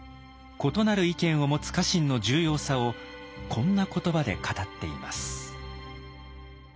異なる意見を持つ家臣の重要さをこんな言葉で語っています。